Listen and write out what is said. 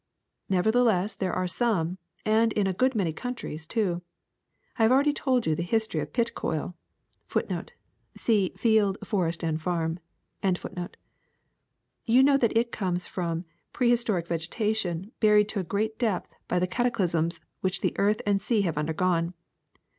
'''' Nevertheless there are some, and in a good man}^ countries, too. I have already told you the history of pit coal.^ You know that it comes from prehis toric vegetation buried to a great depth by the cata clysms which earth and sea have undergone.